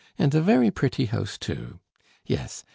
And a very pretty house too. Yes....